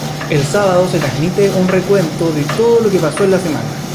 El sábado se transmite un recuento de todo lo que pasó en la semana.